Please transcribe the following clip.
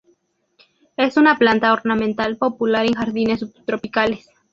Es una planta ornamental popular en jardines subtropicales.